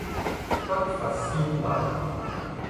不乏先例